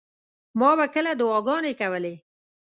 ما به کله دعاګانې کولې.